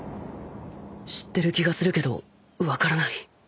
知ってる気がするけど分からない